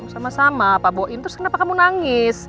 sama sama pak bo im terus kenapa kamu nangis